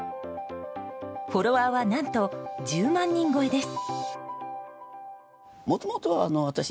フォロワーは何と、１０万人超えです。